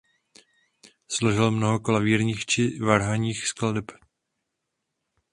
Složil mnoho klavírních či varhanních skladeb.